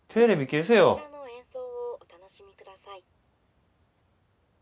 「こちらの演奏をお楽しみください」